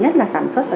hoặc là thậm chí là